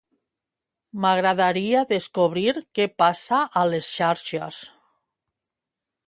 M'agradaria descobrir què passa a les xarxes.